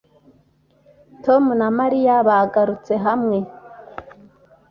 Tom na Mariya bagarutse hamwe